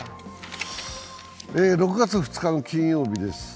６月２日の金曜日です。